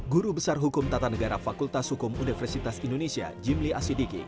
guru besar hukum tata negara fakultas hukum universitas indonesia jimli asidiki